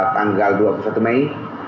tanggal dua puluh satu mei